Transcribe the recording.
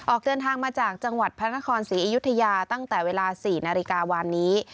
ออกจากจังหวัดพระนครศรีอยุธยาตั้งแต่เวลา๔นาฬิกาวานนี้